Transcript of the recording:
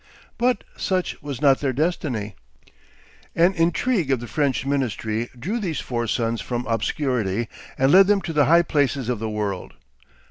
But such was not their destiny. An intrigue of the French ministry drew these four sons from obscurity, and led them to the high places of the world.